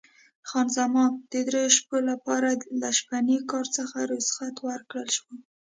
خان زمان د درې شپو لپاره له شپني کار څخه رخصت ورکړل شوه.